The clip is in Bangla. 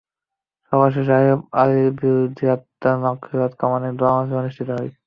সভা শেষে আইয়ুব আলীর বিদেহী আত্মার মাগফিরাত কামনায় দোয়া মাহফিল অনুষ্ঠিত হয়।